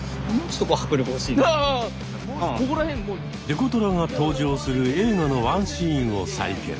デコトラが登場する映画のワンシーンを再現。